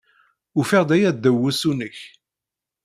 Ufiɣ-d aya ddaw wusu-nnek.